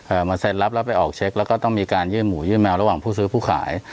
มาเซ็นรับแล้วไปออกเช็คแล้วก็ต้องมีการยื่นหมูยื่นแมวระหว่างผู้ซื้อผู้ขาย